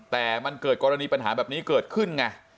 แต่มันเกิดกรณีปัญหาแบบนี้เกิดขึ้นไง